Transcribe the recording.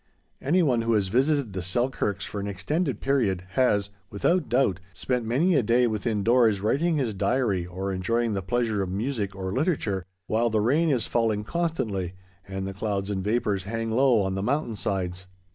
Any one who has visited the Selkirks for an extended period has, without doubt, spent many a day within doors writing his diary or enjoying the pleasure of music or literature, while the rain is falling constantly, and the clouds and vapors hang low on the mountain sides.